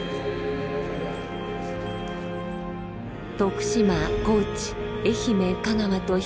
徳島高知愛媛香川と一